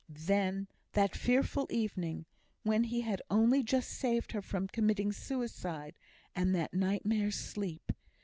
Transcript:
Then that fearful evening, when he had only just saved her from committing suicide, and that nightmare sleep!